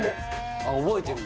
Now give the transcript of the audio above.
あっ覚えてるの？